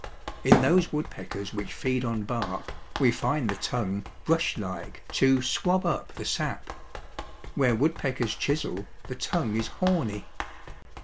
In those woodpeckers which feed on bark we find the tongue brush like to swab up the sap. Where woodpeckers chisel the tongue is horny.